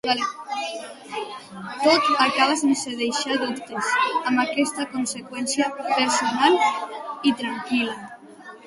Tot acaba sense deixar dubtes amb aquesta conseqüència personal i tranquil·la.